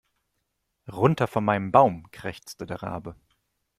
Runter von meinem Baum, krächzte der Rabe.